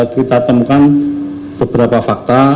kita temukan beberapa faktor